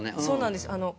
そうなんです。